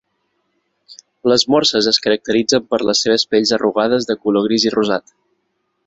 Les morses es caracteritzen per les seves pells arrugades de color gris i rosat.